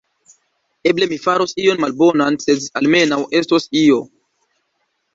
Eble mi faros ion malbonan, sed almenaŭ estos io.